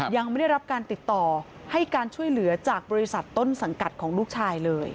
ยังไม่ได้รับการติดต่อให้การช่วยเหลือจากบริษัทต้นสังกัดของลูกชายเลย